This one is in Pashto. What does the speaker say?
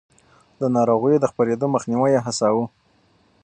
د ناروغيو د خپرېدو مخنيوی يې هڅاوه.